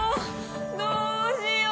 どうしよう。